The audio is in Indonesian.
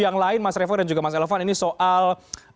yang lain mas revo dan juga mas elvan ini soal